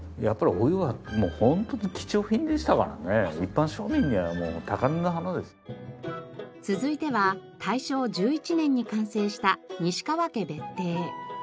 やっぱり続いては大正１１年に完成した西川家別邸。